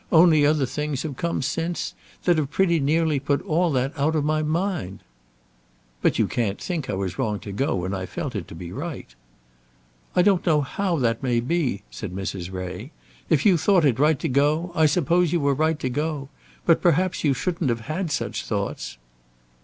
Only other things have come since, that have pretty nearly put all that out of my mind." "But you can't think I was wrong to go when I felt it to be right." "I don't know how that may be," said Mrs. Ray. "If you thought it right to go I suppose you were right to go; but perhaps you shouldn't have had such thoughts."